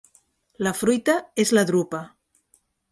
La fruita és la drupa.